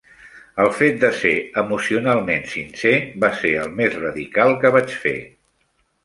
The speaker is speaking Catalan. El fet de ser emocionalment sincer va ser el més radical que vaig fer.